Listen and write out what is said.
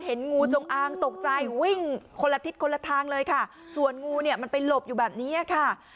งูจงอางตกใจวิ่งคนละทิศคนละทางเลยค่ะส่วนงูเนี่ยมันไปหลบอยู่แบบเนี้ยค่ะ